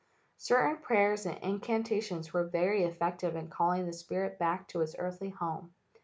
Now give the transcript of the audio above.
Certain prayers and incantations were very effective in calling the spirit back to its earthly home.